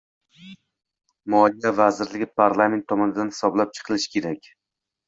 Moliya vazirligi, Parlament tomonidan hisoblab chiqilishi kerak